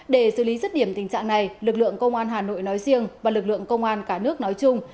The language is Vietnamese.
để xử lý rứt điểm tình trạng này lực lượng công an hà nội nói riêng và lực lượng công an cả nước nói chung